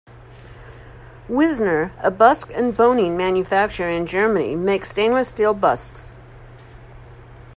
Wissner, a busk and boning manufacturer in Germany makes stainless steel busks.